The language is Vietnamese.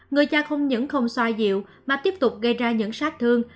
người cha không những không xoa dịu mà tiếp tục gây ra những sát thương